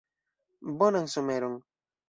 Bonan someron!